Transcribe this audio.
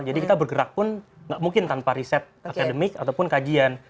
jadi kita bergerak pun nggak mungkin tanpa riset akademik ataupun kajian